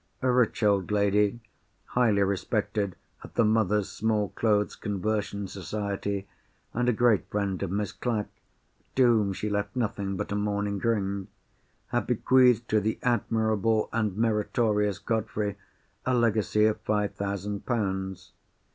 A rich old lady—highly respected at the Mothers' Small Clothes Conversion Society, and a great friend of Miss Clack's (to whom she left nothing but a mourning ring)—had bequeathed to the admirable and meritorious Godfrey a legacy of five thousand pounds.